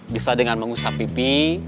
bisa dengan mengusap pipi